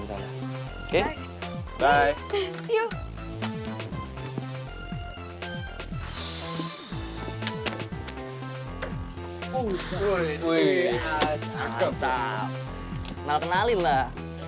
udah lo sikat aja lah